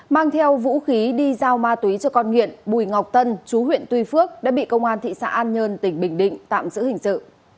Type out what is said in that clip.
mang theo vũ khí đi giao ma túy cho con nghiện bùi ngọc tân chú huyện tuy phước đã bị công an thị xã an nhơn tỉnh bình định tạm giữ hình sự